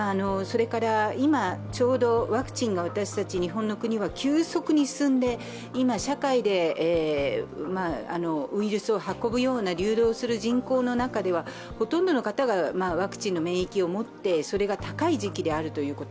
今、ちょうどワクチンが私たち日本の国は急速に進んで、今社会でウイルスを運ぶような流動するような人口の中では、ほとんどの方がワクチンの免疫を持ってそれが高い時期であるということ。